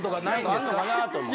あるのかなと思って。